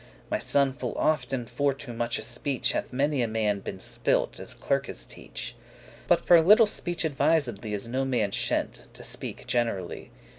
*because consider My son, full often for too muche speech Hath many a man been spilt,* as clerkes teach; *destroyed But for a little speech advisedly Is no man shent,* to speak generally.